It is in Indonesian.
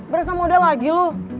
berasa mau udah lagi lo